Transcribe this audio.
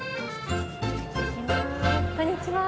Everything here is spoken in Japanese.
こんにちは。